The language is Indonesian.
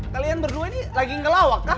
kalian berdua ini lagi ngelawak kak